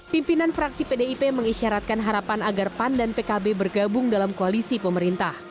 pimpinan fraksi pdip mengisyaratkan harapan agar pan dan pkb bergabung dalam koalisi pemerintah